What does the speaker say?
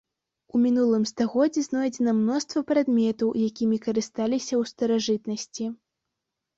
У мінулым стагоддзі знойдзена мноства прадметаў, якімі карысталіся ў старажытнасці.